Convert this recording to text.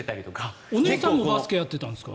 お姉さんもバスケやってたんですか？